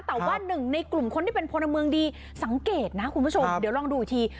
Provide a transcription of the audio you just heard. แต่ว่าหนึ่งในกลุ่มคนที่เป็นพลเมืองดีสังเกตนะคุณผู้ชมเดี๋ยวลองดูอีกที